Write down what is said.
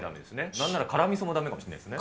なんなら辛みそもだめかもしれないですね。